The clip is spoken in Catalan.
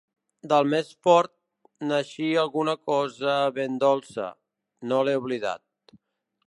Del més fort n'eixí alguna cosa ben dolça», no l'he oblidat.